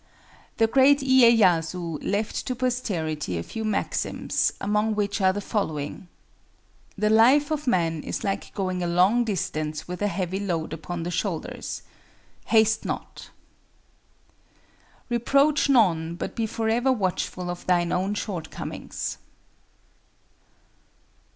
The great Iyéyasu left to posterity a few maxims, among which are the following:—"The life of man is like going a long distance with a heavy load upon the shoulders. Haste not. Reproach none, but be forever watchful of thine own short comings.